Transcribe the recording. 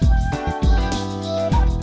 saya barusan ke toilet